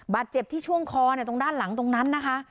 บาดเจ็บที่ช่วงคอตรงด้านหลังตรงนั้นนะคะ